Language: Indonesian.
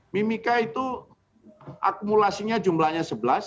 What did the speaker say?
mimika itu akumulasinya jumlahnya sebelas